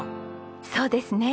そうですね。